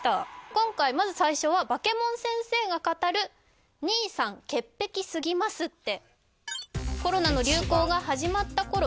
今回まず最初はバケモン先生が語る「兄さん潔癖すぎますって」